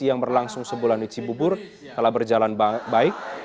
yang berlangsung sebulan di cibubur telah berjalan baik